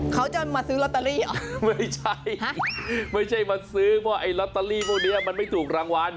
เขาจะมาซื้อลอตเตอรี่เหรอไม่ใช่ไม่ใช่มาซื้อเพราะไอ้ลอตเตอรี่พวกนี้มันไม่ถูกรางวัล